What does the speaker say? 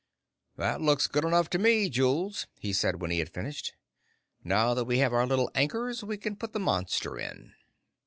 "That looks good enough to me, Jules," he said when he had finished. "Now that we have our little anchors, we can put the monster in."